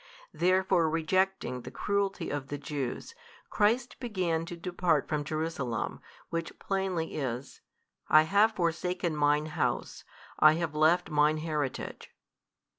Therefore rejecting the cruelty of the Jews, Christ began to depart from Jerusalem, which plainly is, I have forsaken Mine House, I have left Mine heritage.